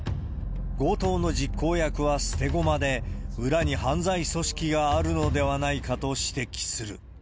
強盗の実行役は捨て駒で、裏に犯罪組織があるのではないかと指摘する。